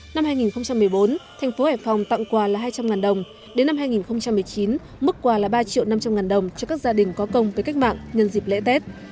năm hai nghìn một mươi bốn thành phố hải phòng tặng quà là hai trăm linh đồng đến năm hai nghìn một mươi chín mức quà là ba triệu năm trăm linh đồng cho các gia đình có công với cách mạng nhân dịp lễ tết